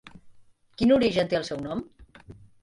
Quin origen té el seu nom?